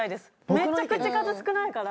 めっちゃ口数少ないから。